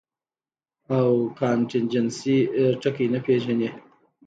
او کانټنجنسي ټکے نۀ پېژني -